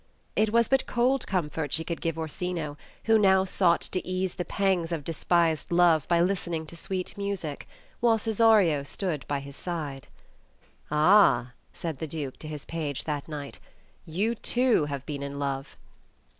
It was but cold comfort she could give Orsino, who now sought to ease the pangs of despised love by listening to sweet music, while Cesario stood by his side. "Ah," said the Duke to his page that night, ''you too have been in love."